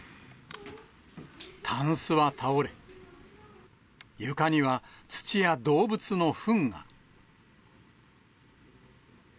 タンスは倒れ、床には土や動物のふんが。